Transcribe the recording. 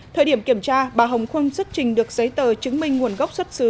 thời điểm kiểm tra bà hồng không xuất trình được giấy tờ chứng minh nguồn gốc xuất xứ